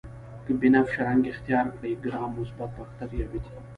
که بنفش رنګ اختیار کړي ګرام مثبت باکتریاوې دي.